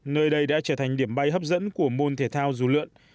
nơi đây đã trở thành điểm bay hấp dẫn của môn thể thao dù lượn